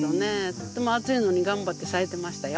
とっても暑いのに頑張って咲いてましたよ。